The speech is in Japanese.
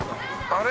「あれ？